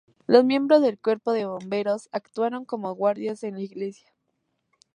Los miembros del Cuerpo de bomberos actuaron como guardias en la iglesia.